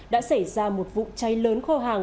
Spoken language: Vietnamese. đã xảy ra một vụ cháy lớn kho hàng